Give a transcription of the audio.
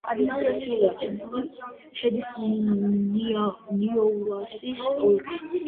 ადმინისტრაციულად კუნძული შედის ნიუასის ოლქში.